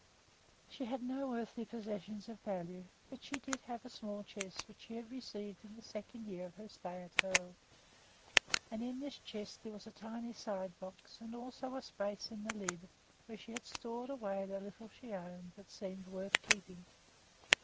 She had no earthly possessions of value, but she did have a small chest which she had received in the second year of her stay at Hoel, and in this chest there was a tiny side box and also a space in the lid where she had stored away the little she owned that seemed worth keeping.